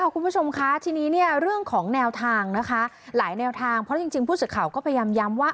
คุณผู้ชมคะทีนี้เนี่ยเรื่องของแนวทางนะคะหลายแนวทางเพราะจริงผู้สื่อข่าวก็พยายามย้ำว่า